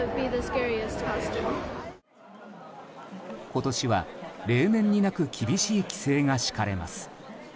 今年は例年になく厳しい規制が敷かれます。